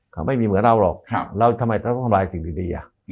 เขาไม่มีเหมือนเราหรอกเราทำไมต้องทำลายสิ่งดี